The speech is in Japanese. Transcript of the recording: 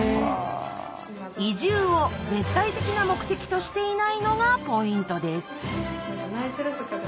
移住を絶対的な目的としていないのがポイントです。